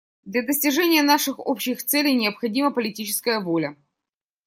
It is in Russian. Для достижения наших общих целей необходима политическая воля.